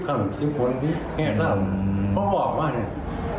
๑๐ครั้ง๑๐คนแค่นั้น